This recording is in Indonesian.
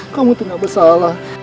kamu tuh gak bersalah